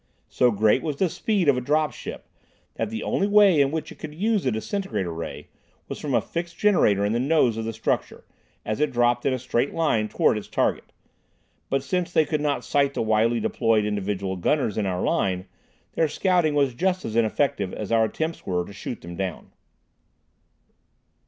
So great was the speed of a drop ship, that the only way in which it could use a disintegrator ray was from a fixed generator in the nose of the structure, as it dropped in a straight line toward its target. But since they could not sight the widely deployed individual gunners in our line, their scouting was just as ineffective as our attempts were to shoot them down.